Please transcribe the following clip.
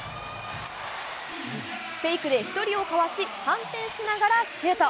フェイクで１人をかわし、反転しながらシュート。